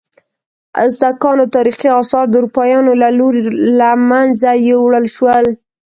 ازتکانو تاریخي آثار د اروپایانو له لوري له منځه یوړل شول.